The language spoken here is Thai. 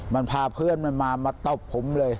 มันพาเพื่อนมันมามาตบผมเลย